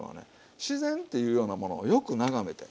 自然っていうようなものをよく眺めて。